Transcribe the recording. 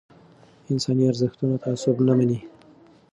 انساني ارزښتونه تعصب نه مني